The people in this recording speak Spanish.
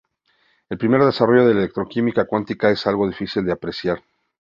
El primer desarrollo de la electroquímica cuántica es algo difícil de precisar.